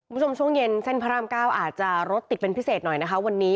คุณผู้ชมช่วงเย็นเส้นพระรามเก้าอาจจะรถติดเป็นพิเศษหน่อยนะคะวันนี้